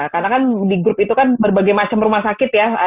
karena kan di grup itu kan berbagai macam rumah sakit ya